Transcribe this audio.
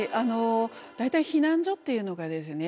大体避難所っていうのがですね